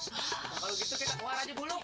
kalau gitu kita keluar aja dulu